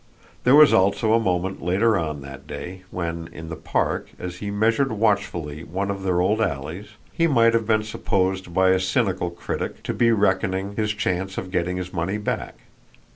There was also a moment later on, that day, when, in the Park, as he measured watchfully one of their old alleys, he might have been supposed by a cynical critic to be reckoning his chance of getting his money back.